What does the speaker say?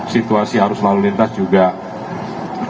situasi arus lalu lintas juga berubah menjadi